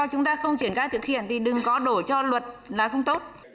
chúng ta không triển khai thực hiện thì đừng có đổ cho luật là không tốt